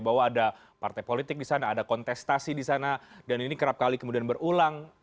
bahwa ada partai politik di sana ada kontestasi di sana dan ini kerap kali kemudian berulang